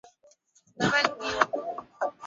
anza kutajwa na paul sein kochi wa timu ya taifa